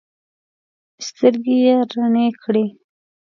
سترګې یې رڼې کړې.